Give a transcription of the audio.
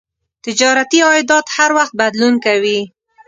تجارتي عایدات هر وخت بدلون کوي.